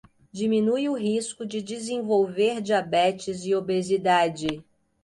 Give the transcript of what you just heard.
Diminui o risco de desenvolver diabetes e obesidade